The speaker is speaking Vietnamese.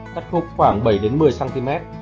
cắt khúc khoảng bảy một mươi cm